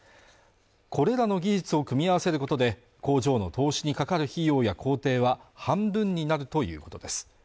これらの技術を組み合わせることで工場の投資にかかる費用や工程は半分になるということです